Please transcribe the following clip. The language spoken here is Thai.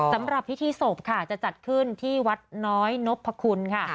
สำหรับพิธีศพค่ะจะจัดขึ้นที่วัดน้อยนพคุณค่ะ